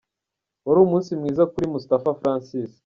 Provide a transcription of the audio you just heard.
Wari umunsi mwiza kuri Moustapha Francis .